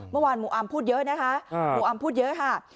เมื่อวานหมู่อำพูดเยอะนะคะหมู่อำพูดเยอะค่ะ